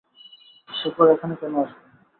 শেখর এখানে কেনো আসবে?